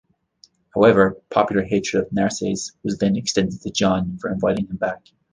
However, popular hatred of Narses was then extended to John for inviting him back.